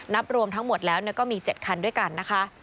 นับรวมทั้งหมดแล้วก็มี๗คันด้วยกันนะคะ